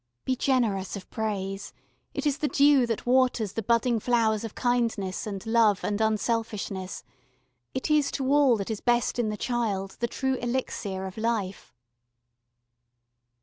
Be generous of praise it is the dew that waters the budding flowers of kindness and love and unselfishness: it is to all that is best in the child the true Elixir of Life.